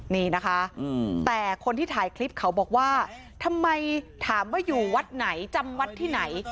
นี่นะคะแต่คนที่ถ่ายคลิปเขาบอกว่าทำไมถามว่าอยู่วัดไหนจำวัดที่ไหน